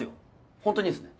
ホントにいいんすね？